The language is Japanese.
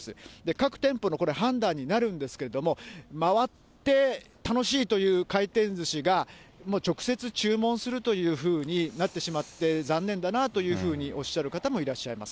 各店舗のこれ、判断になるんですけれども、回って楽しいという回転ずしが、もう直接注文するというふうになってしまって残念だなというふうにおっしゃる方もいらっしゃいます。